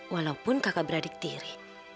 walaupun kakak beradik tiri